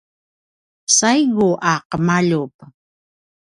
saigu a qemaljup